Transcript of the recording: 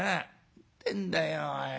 「ってんだよおい。